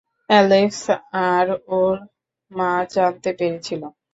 Alex আর ওর মা জানতে পেরেছিল।